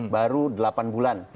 baru delapan bulan